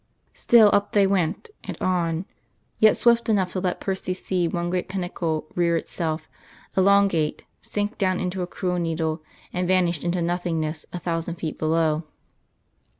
Still up they went, and on yet swift enough to let Percy see one great pinnacle rear itself, elongate, sink down into a cruel needle, and vanish into nothingness a thousand feet below.